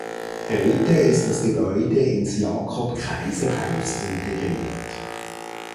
Heute ist das Gebäude ins Jakob-Kaiser-Haus integriert.